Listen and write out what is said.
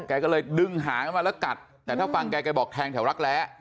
แกก็เลยดึงหางกันมาแล้วกัดแต่ถ้าฟังแกบอกแทงแถวรักแร้